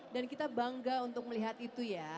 dan kita bangga untuk melihat itu ya